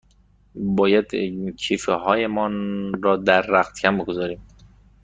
باید کیف هامان را در رختکن بگذاریم.